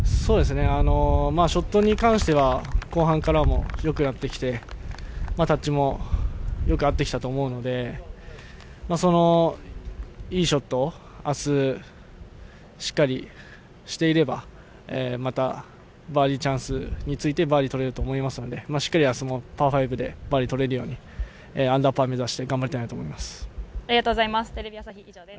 ショットに関しては後半から良くなってきてタッチも良くなってきたと思うのでいいショットを明日しっかりしていればまたバーディーチャンスがきてバーディーをとれると思うのでしっかり明日もパー５でバーディーをとれるようにアンダーパー目指して頑張りたいなと思います。